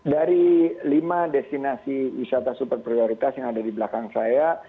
dari lima destinasi wisata super prioritas yang ada di belakang saya